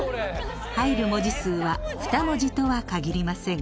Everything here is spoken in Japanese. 入る文字数は２文字とは限りません。